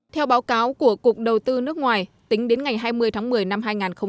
theo báo cáo của cục đầu tư nước ngoài tính đến ngày hai mươi tháng một mươi năm hai nghìn một mươi chín